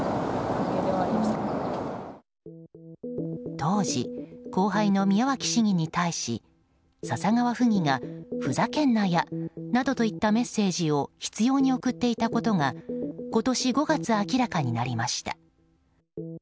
当時、後輩の宮脇市議に対し笹川府議がふざけんなやなどといったメッセージを執拗に送っていたことが今年５月、明らかになりました。